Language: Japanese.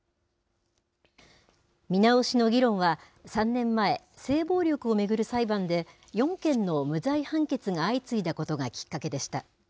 見直しの議論は、３年前、性暴力を巡る裁判で、４件の無罪判決が相次いだことがきっかけでした。